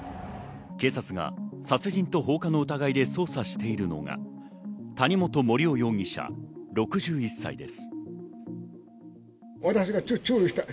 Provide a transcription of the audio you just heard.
警察が殺人と放火の疑いで捜査しているのが谷本盛雄容疑者６１歳です。